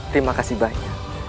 terima kasih banyak